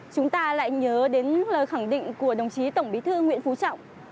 chúng ta lại nhớ đến lời khẳng định của đồng chí tổng bí thư nguyễn phú trọng